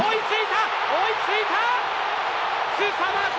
追いついた！